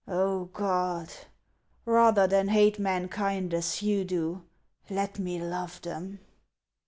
" Oh, God ! Bather than hate mankind as you do, let me love them."